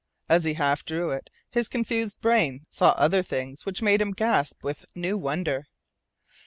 As he half drew it his confused brain saw other things which made him gasp with new wonder.